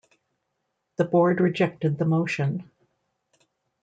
The board rejected the motion.